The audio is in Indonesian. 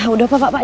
udah pak pak